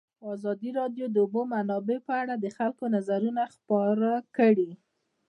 ازادي راډیو د د اوبو منابع په اړه د خلکو نظرونه خپاره کړي.